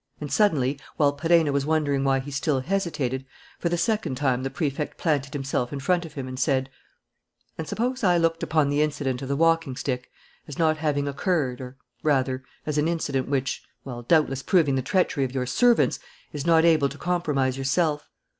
And, suddenly, while Perenna was wondering why he still hesitated, for the second time the Prefect planted himself in front of him, and said: "And suppose I looked upon the incident of the walking stick as not having occurred, or, rather, as an incident which, while doubtless proving the treachery of your servants, is not able to compromise yourself?